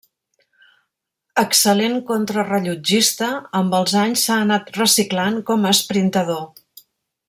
Excel·lent contrarellotgista, amb els anys s'ha anat reciclant com a esprintador.